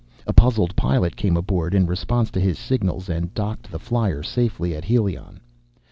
A puzzled pilot came aboard, in response to his signals, and docked the flier safely at Helion.